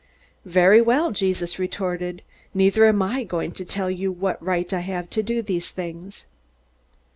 "Very well," Jesus retorted, "neither am I going to tell you what right I have to do these things!"